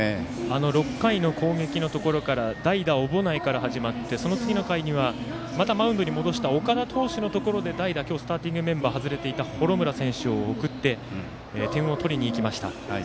６回の攻撃のところから代打、小保内から始まって、その次の回にはまたマウンドに戻した岡田投手のところで代打、今日スターティングメンバーを外れていた幌村選手を送って点を取りにいきました。